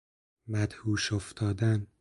مدهوش افتادن